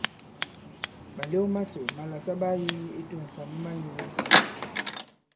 Màlew masò màlà sa ɓaa yīgi i tu᷇ŋ fâ ma manyūe.